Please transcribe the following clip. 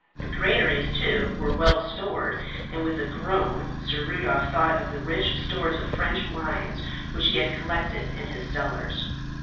The granaries, too, were well stored; and with a groan Sir Rudolph thought of the rich stores of French wines which he had collected in his cellars.